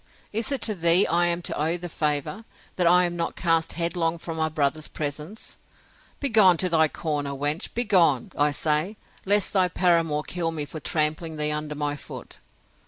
Is it to thee I am to owe the favour, that I am not cast headlong from my brother's presence? Begone to thy corner, wench! begone, I say, lest thy paramour kill me for trampling thee under my foot!